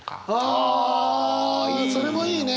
あそれもいいね！